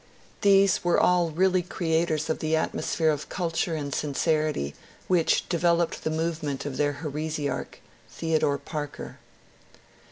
These were all really creators of the atmosphere of culture and sincerity which developed the movement of their heresiarch, Theodore Parker.